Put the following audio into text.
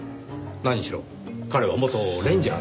何しろ彼は元レンジャーですからねぇ。